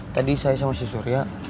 tadi saya sama si surya